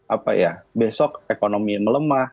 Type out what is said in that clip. apa ya besok ekonomi melemah